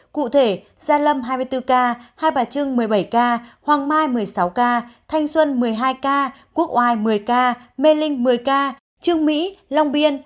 cụ thể gia lâm hai mươi bốn ca hai bà trưng một mươi bảy ca hoàng mai một mươi sáu ca thanh xuân một mươi hai ca quốc oai một mươi ca mê linh một mươi ca trương mỹ long biên